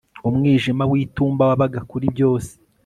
Umwijima witumba wabaga kuri byose